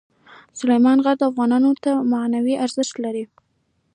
سلیمان غر افغانانو ته معنوي ارزښت لري.